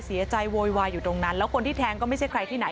โวยวายอยู่ตรงนั้นแล้วคนที่แทงก็ไม่ใช่ใครที่ไหน